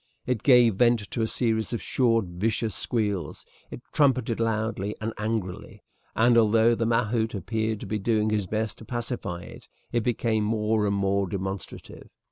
It gave vent to a series of short vicious squeals, it trumpeted loudly and angrily, and, although the mahout appeared to be doing his best to pacify it, it became more and more demonstrative.